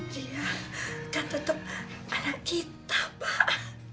dia kan tetap anak kita pak